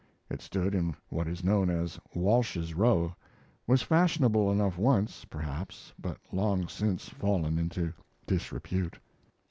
It stood in what is known as Walsh's Row was fashionable enough once, perhaps, but long since fallen into disrepute.